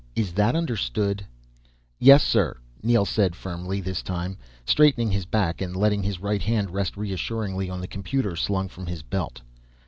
Is that understood?" "Yes, sir," Neel said firmly this time, straightening his back and letting his right hand rest reassuringly on the computer slung from his belt.